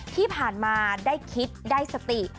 ที่ผ่านมาได้คิดได้สติ